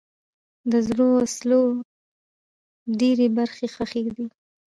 د زړو وسلو ډېری برخې ښخي دي.